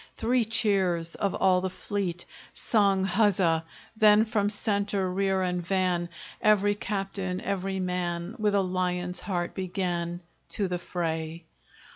Three cheers of all the fleet Sung huzza! Then, from centre, rear, and van, Every captain, every man, With a lion's heart began To the fray.